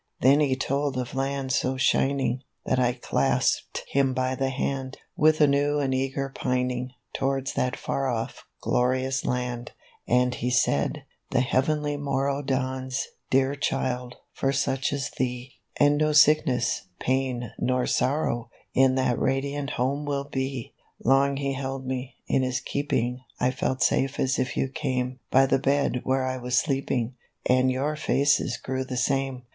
*" Then he told of lands so shining, That I clasped him by the hand, With a new and eager pining, Towards that far off, glorious land; "And he said, 4 The Heavenly morrow Dawns, dear child, for such as thee; And no sickness, pain, nor sorrow, In that radiant home will be !' 44 Long he held me, in his keeping I felt safe as if you came By the bed where I was sleeping; And your faces grew the same.